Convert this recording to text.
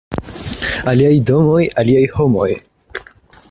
Aliaj domoj, aliaj homoj.